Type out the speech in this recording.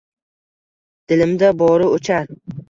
Dilimda bori oʼchar